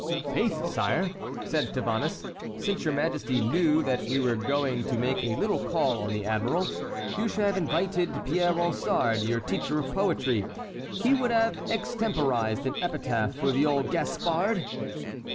"Faith, sire," said Tavannes, "since your Majesty knew that we were going to make a little call on the admiral, you should have invited Pierre Ronsard, your teacher of poetry; he would have extemporized an epitaph for the old Gaspard."